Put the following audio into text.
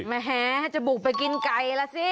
ไม่แหงจะบุกไปกินไก่แล้วสิ